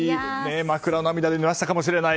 枕を涙でぬらしたかもしれない。